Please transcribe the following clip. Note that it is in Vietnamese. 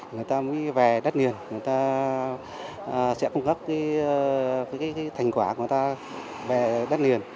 người ta mới về đất liền người ta sẽ cung cấp thành quả của người ta về đất liền